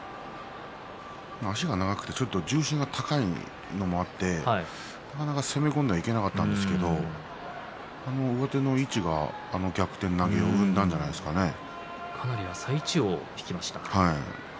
足が長くてちょっと重心が高いのもあってなかなか攻め込んではいけなかったんですけれどあの上手の位置が逆転投げをかなり浅い位置を引きました。